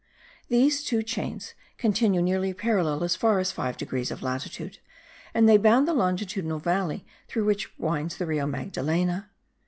These two chains continue nearly parallel as far as 5 degrees of latitude, and they bound the longitudinal valley through which winds the Rio Magdalena.